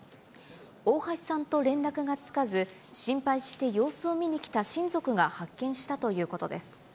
大橋さんと連絡がつかず、心配して様子を見に来た親族が発見したということです。